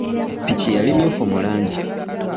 Ppiki yali mmyufu mu langi.